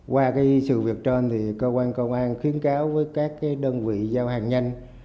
qua sự việc trên thì cơ quan công an khuyến cáo với các đơn vị giao hàng nhanh